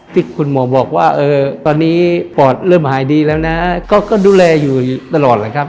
ที่คุณหมอบอกว่าตอนนี้ปอดเริ่มหายดีแล้วนะก็ดูแลอยู่ตลอดแหละครับ